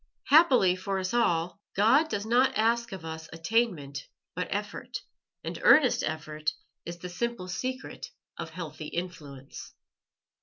Happily for us all, God does not ask of us attainment, but effort, and earnest effort is the simple secret of healthy influence.